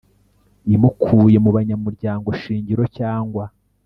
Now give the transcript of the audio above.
Imukuye mu banyamuryango shingiro cyangwa